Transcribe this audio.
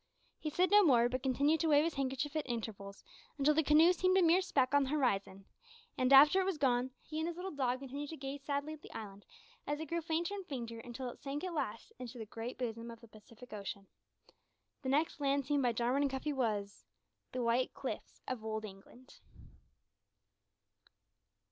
He said no more, but continued to wave his handkerchief at intervals until the canoe seemed a mere speck on the horizon, and, after it was gone, he and his little dog continued to gaze sadly at the island, as it grew fainter and fainter, until it sank at last into the great bosom of the Pacific Ocean. The next land seen by Jarwin and Cuffy was the white cliffs of Old England!